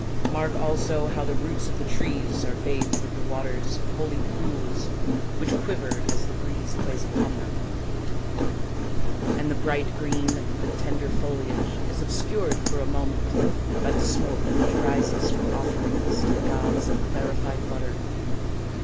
Mark also how the roots of the trees are bathed with the waters of holy pools which quiver as the breeze plays upon them ; and the bright green of the tender foliage is obscured for a moment by the smoke which rises from offerings to the gods of clarified butter.